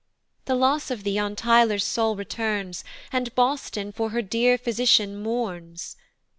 The loss of thee on Tyler's soul returns, And Boston for her dear physician mourns.